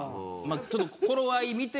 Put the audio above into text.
ちょっと頃合い見て。